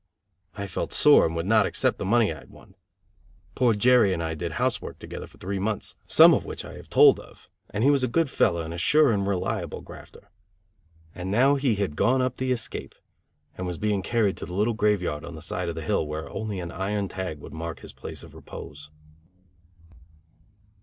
I felt sore and would not accept the money I had won. Poor Jerry and I did house work together for three months, some of which I have told of, and he was a good fellow, and a sure and reliable grafter. And now he had "gone up the escape," and was being carried to the little graveyard on the side of the hill where only an iron tag would mark his place of repose.